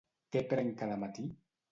Què prenc cada matí?